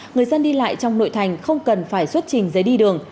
người dân đi lại trong nội thành không cần phải xuất trình giấy đi đường